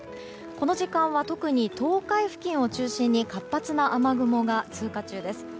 この時間は特に東海付近を中心に活発な雨雲が通過中です。